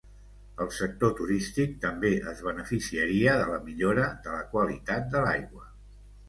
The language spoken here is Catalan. El sector turístic també es beneficiaria de la millora de la qualitat de l’aigua.